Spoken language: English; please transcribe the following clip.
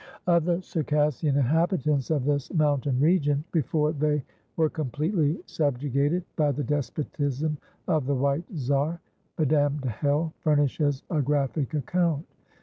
Of the Circassian inhabitants of this mountain region, before they were completely subjugated by the despotism of the white Czar, Madame de Hell furnishes a graphic account.